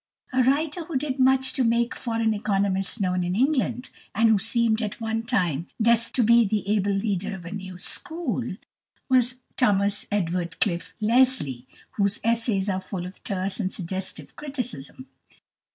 A writer who did much to make foreign economists known in England, and who seemed at one time destined to be the able leader of a new school, was =Thomas Edward Cliffe Leslie (1827 1882)=, whose "Essays" are full of terse and suggestive criticism.